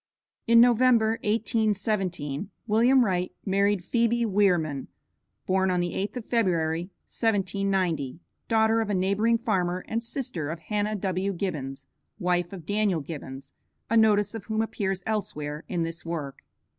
In November, 1817, William Wright married Phebe Wierman, (born on the 8th of February, 1790,) daughter of a neighboring farmer, and sister of Hannah W. Gibbons, wife of Daniel Gibbons, a notice of whom appears elsewhere in this work.